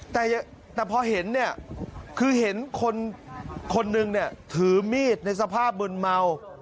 แต่พอเห็นเนี่ยคือเห็นคนนึงเนี่ยถือมีดในสภาพมึนเมา